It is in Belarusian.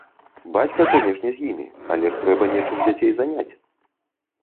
Бацька, канешне, з імі, але ж трэба нечым дзяцей заняць.